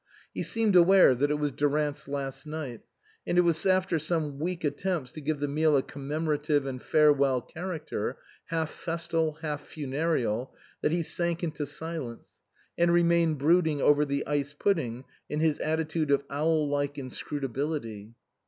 He seemed aware that it was Durant's last night, and it was after some weak attempts to give the meal a commemorative and farewell character, half festal, half funereal, that he sank into silence, and remained brooding over the ice pudding in his attitude of owl like inscrutability.